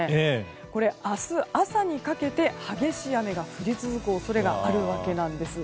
これ、明日朝にかけて激しい雨が降り続く恐れがあるわけです。